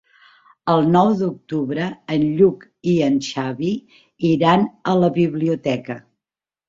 El nou d'octubre en Lluc i en Xavi iran a la biblioteca.